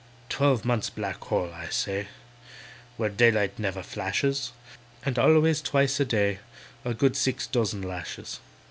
"Twelve months' black hole, I say, Where daylight never flashes; And always twice a day A good six dozen lashes!"